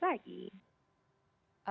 sampai disini saya beres beres lagi